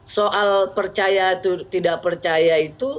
soal percaya atau tidak percaya itu